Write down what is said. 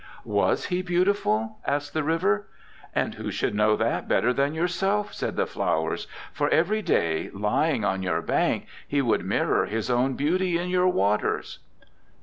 '"Was he beautiful?" asked the River. '"And who should know that better than yourself?" said the Flowers, "for, every day, lying on your bank, he would mirror his own beauty in your waters."'